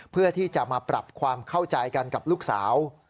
เพื่อที่จะมาปรับความเข้าใจกันกับลูกสาว